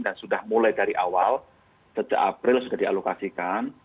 dan sudah mulai dari awal setelah april sudah dialokasikan